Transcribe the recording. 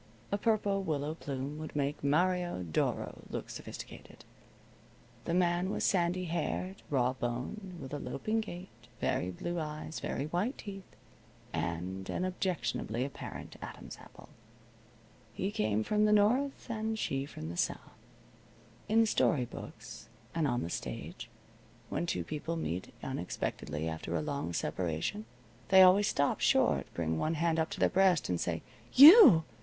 A purple willow plume would make Mario Doro look sophisticated. The man was sandy haired, raw boned, with a loping gait, very blue eyes, very white teeth, and an objectionably apparent Adam's apple. He came from the north, and she from the south. In story books, and on the stage, when two people meet unexpectedly after a long separation they always stop short, bring one hand up to their breast, and say: "You!"